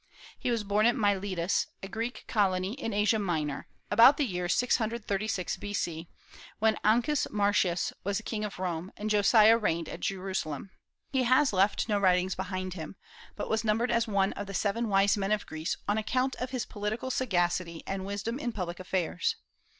He was born at Miletus, a Greek colony in Asia Minor, about the year 636 B.C., when Ancus Martius was king of Rome, and Josiah reigned at Jerusalem. He has left no writings behind him, but was numbered as one of the seven wise men of Greece on account of his political sagacity and wisdom in public affairs.